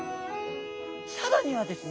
更にはですね